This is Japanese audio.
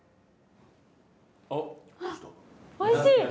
おいしい！